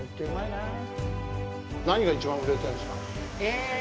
何が一番売れてるんですか？